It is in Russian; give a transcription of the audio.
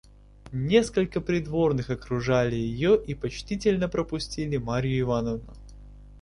Несколько придворных окружали ее и почтительно пропустили Марью Ивановну.